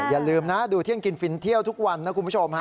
อย่าลืมนะดูเที่ยงกินฟินเที่ยวทุกวันนะคุณผู้ชมฮะ